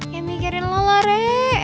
ya mikirin lo lah re